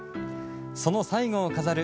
その最後を飾る